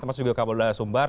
tempat juga kapolda sumbar